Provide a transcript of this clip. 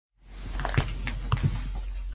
你哋包唔包送貨？